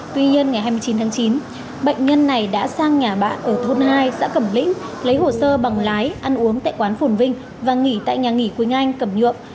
tuy nhiên ngày hai mươi chín tháng chín bệnh nhân này đã sang nhà bạn ở thôn hai xã cẩm lĩnh lấy hồ sơ bằng lái ăn uống tại quán phồn vinh và nghỉ tại nhà nghỉ quỳnh anh cẩm nhuộm